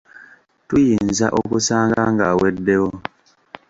Tuyinza okusanga ng’aweddewo.